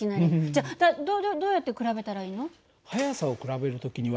じゃあどどうやって比べたらいいの？